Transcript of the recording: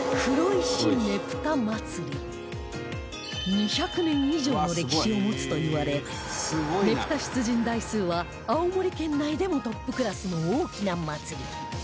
２００年以上の歴史を持つといわれねぷた出陣台数は青森県内でもトップクラスの大きな祭り